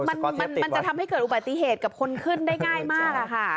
มันมันจะทำให้เกิดอุบัติเหตุกับคนขึ้นได้ง่ายมากอะค่ะ